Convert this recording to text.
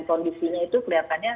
kondisinya itu kelihatannya